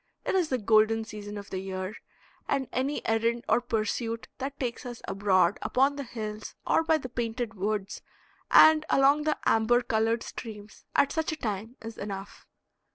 It is the golden season of the year, and any errand or pursuit that takes us abroad upon the hills or by the painted woods and along the amber colored streams at such a time is enough.